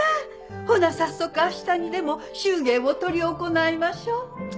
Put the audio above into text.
ほな早速明日にでも祝言を執り行いましょう。